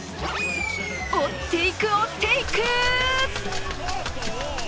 追っていく、追っていく！